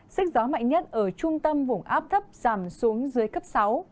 sức gió mạnh nhất ở trung tâm vùng áp thấp giảm xuống dưới cấp sáu